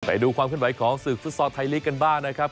ไปดูความขึ้นไหวของศึกฟุตซอลไทยลีกกันบ้างนะครับ